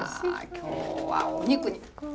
今日は「お肉」に！